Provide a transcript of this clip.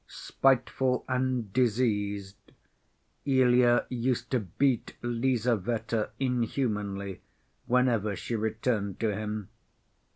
Spiteful and diseased, Ilya used to beat Lizaveta inhumanly whenever she returned to him.